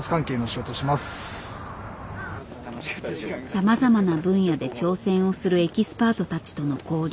さまざまな分野で挑戦をするエキスパートたちとの交流。